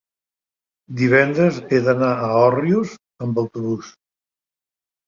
divendres he d'anar a Òrrius amb autobús.